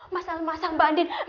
masalah masalah mba andien